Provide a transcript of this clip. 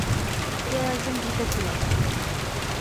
কেউ একজন ঢুকেছিল।